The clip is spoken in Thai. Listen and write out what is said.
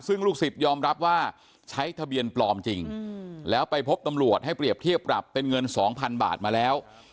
ซึ่งลูกศิษย์ยอมรับว่าใช้ทะเบียนปลอมจริงแล้วไปพบตำรวจให้เปรียบเทียบปรับเป็นเงิน๒๐๐๐บาทมาแล้ว